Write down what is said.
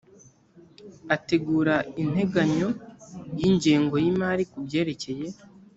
ategura integanyo y ingengo y imari ku byerekeye